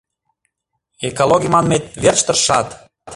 Экологий манмет верч тыршат?